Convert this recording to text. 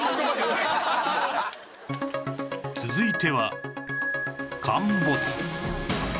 続いては陥没